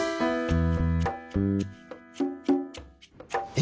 え？